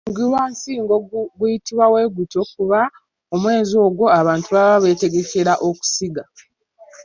Mugulansigo guyitibwa gutyo kubanga omwezi ogwo abantu baabanga beetegekera okusiga.